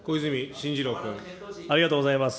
ありがとうございます。